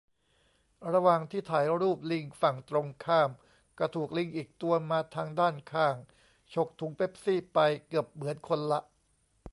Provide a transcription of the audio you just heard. ระหว่างที่ถ่ายรูปลิงฝั่งตรงข้าม ก็ถูกลิงอีกตัวมาทางด้านข้าง ฉกถุงเป็ปซี่ไป เกือบเหมือนคนละ